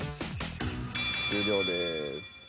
終了です。